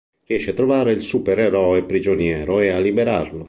Riesce a trovare il supereroe prigioniero e a liberarlo.